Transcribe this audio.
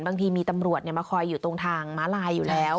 บางทีมีตำรวจมาคอยอยู่ตรงทางม้าลายอยู่แล้ว